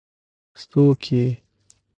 څوک يې ؟